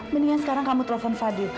mendingan sekarang kamu telepon fadil